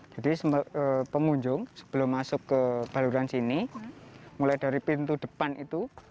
jadi pengunjung sebelum masuk ke baluran sini mulai dari pintu depan itu